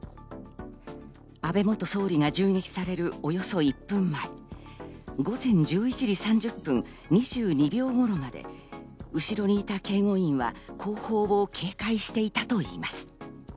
安倍元総理が銃撃されるおよそ１分前、午前１１時３０分２２秒頃まで後ろにいた警護員は後方を警戒していたといいます。